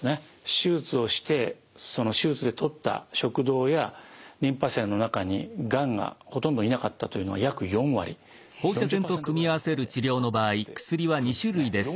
手術をしてその手術で取った食道やリンパ節の中にがんがほとんどいなかったというのは約４割４０％ぐらいの方で効果が出てくるんですね。